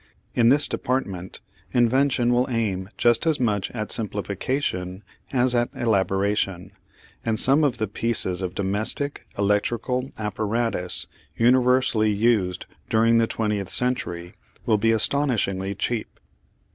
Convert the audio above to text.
In this department invention will aim just as much at simplification as at elaboration; and some of the pieces of domestic electrical apparatus universally used during the twentieth century will be astonishingly cheap.